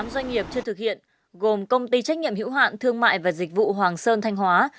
tám doanh nghiệp chưa thực hiện gồm công ty trách nhiệm hữu hạn thương mại và dịch vụ hoàng sơn thanh hóa